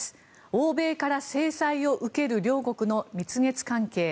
欧米から制裁を受ける両国の蜜月関係